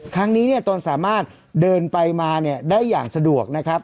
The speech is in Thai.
ครั้งนี้เนี่ยตนสามารถเดินไปมาได้อย่างสะดวกนะครับ